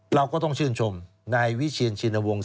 เราก็ต้องชื่นชมนายวิเชียนชินวงศ